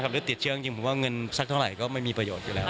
หรือติดเชื้อจริงผมว่าเงินสักเท่าไหร่ก็ไม่มีประโยชน์อยู่แล้ว